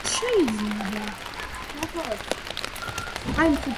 ძეთოსი და ამფიონი კი კეთილმა მწყემსმა გაზარდა.